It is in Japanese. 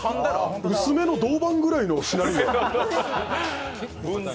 薄めの銅板ぐらいのしなりが。